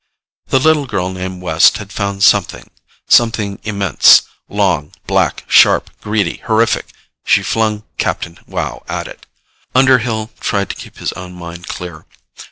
The little girl named West had found something something immense, long, black, sharp, greedy, horrific. She flung Captain Wow at it. Underhill tried to keep his own mind clear.